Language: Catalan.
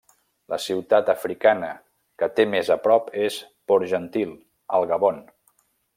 La ciutat africana que té més a prop és Port-Gentil, al Gabon.